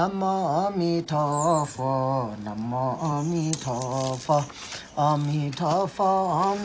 สวัสดีครับทุกคน